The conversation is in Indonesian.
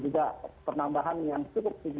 kemudian juga penambahan yang cukup pendidikan